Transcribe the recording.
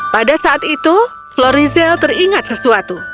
pada saat itu florizel teringat sesuatu